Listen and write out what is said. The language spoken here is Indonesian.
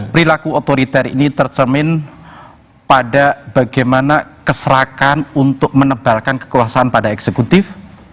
perilaku otoriter ini tercermin pada bagaimana keserakan untuk menebalkan kekuasaan pada eksekutif